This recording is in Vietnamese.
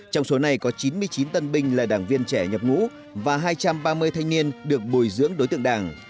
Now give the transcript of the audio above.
trong số này có chín mươi chín tân binh là đảng viên trẻ nhập ngũ và hai trăm ba mươi thanh niên được bồi dưỡng đối tượng đảng